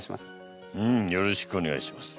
よろしくお願いします。